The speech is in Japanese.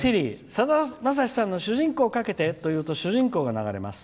さだまさしさんの「主人公」をかけてというと「主人公」が流れます」。